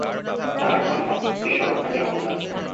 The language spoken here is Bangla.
তাঁহার ধর্মমত বিশ্বব্রহ্মাণ্ডের মত উদার।